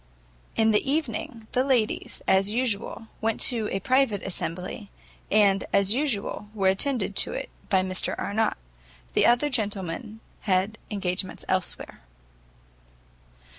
In the evening, the ladies, as usual, went to a private assembly, and, as usual, were attended to it by Mr Arnott. The other gentlemen had engagements elsewhere.